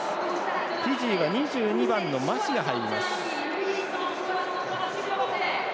フィジーは２２番のマシが入ります。